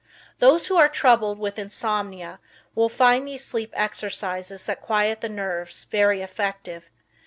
Those who are troubled with insomnia will find these sleep exercises that quiet the nerves very effective.